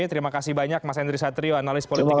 terima kasih banyak mas henry satrio analis politik